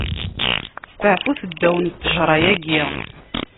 Steɛfut ddaw n ttejṛa-agi.